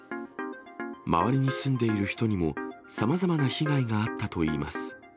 周りに住んでいる人にも、さまざまな被害があったといいます。